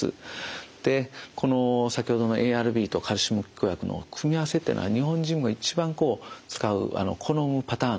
先ほどのＡＲＢとカルシウム拮抗薬の組み合わせというのは日本人も一番使う好むパターンですね。